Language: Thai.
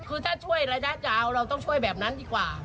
คือถ้าช่วยระยะจะเอาเราต้องช่วยแบบนั้นดีกว่า